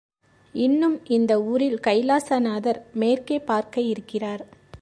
இன்னும் இந்த ஊரில் கைலாசநாதர் மேற்கே பார்க்க இருக்கிறார்.